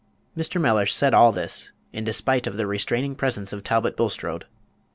Mr. Mellish said all this in despite of the restraining presence of Talbot Bulstrode.